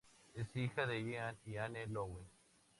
Es hija de Ian y Anne Lowe.